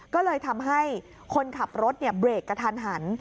ก็เลยทำให้คนขับรถเบรกกระทันหัน